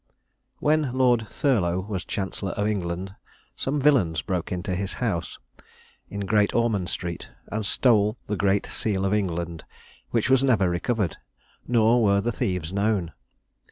When Lord Thurlow was chancellor of England some villains broke into his house, in Great Ormond street, and stole the great seal of England, which was never recovered, nor were the thieves known.